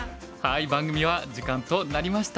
番組は時間となりました。